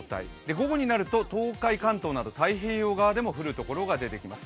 午後になると東海関東など太平洋側でも降るところが出てきます。